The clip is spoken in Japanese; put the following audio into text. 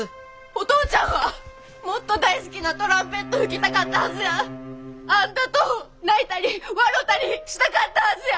お父ちゃんはもっと大好きなトランペット吹きたかったはずや！あんたと泣いたり笑たりしたかったはずや！